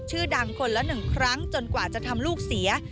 ชื่อดังคนละ๑ครั้งจนกว่าจะทำลูกเสีย